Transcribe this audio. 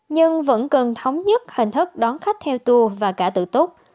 nhưng vẫn cần thống nhất hình thức đón khách theo tour và cả tự túc